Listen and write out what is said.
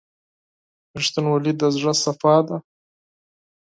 • رښتینولي د زړه صفا ده.